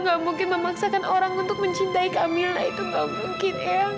nggak mungkin memaksakan orang untuk mencintaikan kamila itu en